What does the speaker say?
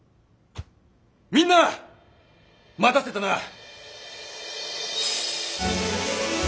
みんな待たせたな。